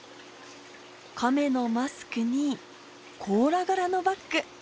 カメのマスクに、甲羅柄のバッグ。